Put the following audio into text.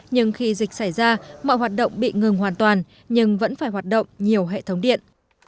nhưng khi dịch xảy ra mọi hoạt động bị ngừng hoàn toàn nhưng vẫn phải hoạt động nhiều hệ thống điện